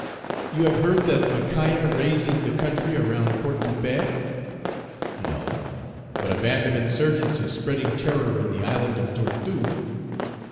"You have heard that Macaya raises the country around Port de Paix?" "No; but a band of insurgents is spreading terror in the island of Tortue."